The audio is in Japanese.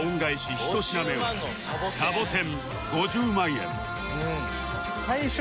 １品目はサボテン５０万円